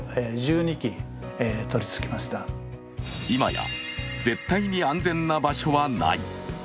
今や絶対に安全な場所はない。